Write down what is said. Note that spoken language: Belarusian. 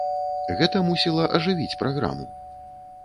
Гэта мусіла ажывіць праграму.